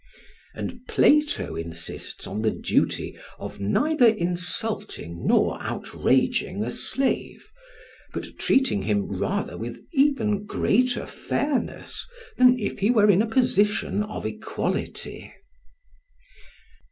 1255 b 12] And Plato insists on the duty of neither insulting nor outraging a slave, but treating him rather with even greater fairness than if he were in a position of equality.